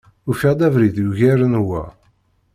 Ufiɣ-d abrid yugaren wa.